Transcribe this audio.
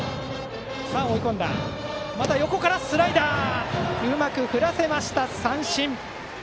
スライダー、うまく振らせました三振。